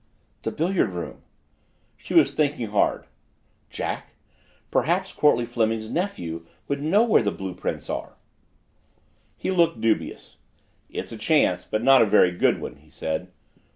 "The billiard room." She was thinking hard. "Jack! Perhaps Courtleigh Fleming's nephew would know where the blue prints are!" He looked dubious. "It's a chance, but not a very good one," he said.